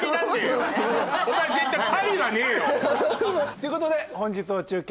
ということで本日の中継